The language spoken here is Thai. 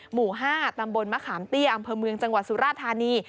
หมู่๕ตำบลมะขามเตี้ยอำเภอเมืองจังหวัดสุราธานี